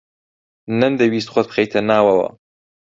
نەمدەویست خۆت بخەیتە ناوەوە.